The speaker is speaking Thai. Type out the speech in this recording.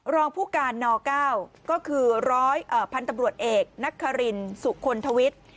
รองผู้การน๙ก็คือร้อยพันธุ์ตำรวจเอกนักคารินสุคลทวิทย์